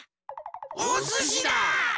おすしだ！